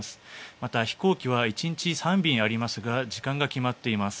また、飛行機は１日３便ありますが時間が決まっています。